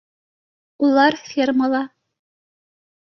- Улар фермала